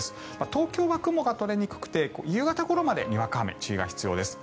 東京は雲が取れにくくて夕方ごろまでにわか雨に注意が必要です。